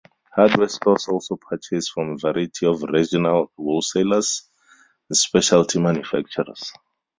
Hardware stores also purchase from a variety of regional wholesalers and specialty manufacturers.